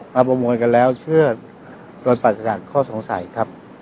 ประมวลกันแล้วเชื่อจนปราศจากข้อสงสัยครับ